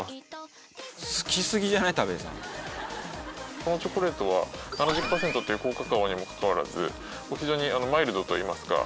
このチョコレートは７０パーセントという高カカオにもかかわらず非常にマイルドといいますか。